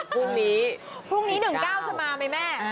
พรุ่งนี้๑๙จะมาไหมแม่